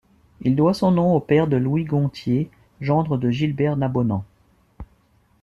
Il doit son nom au père de Louis Gontier, gendre de Gilbert Nabonnand.